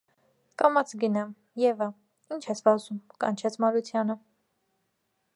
- Կամաց գնա, Եվա, ի՞նչ ես վազում,- կանչեց Մարությանը: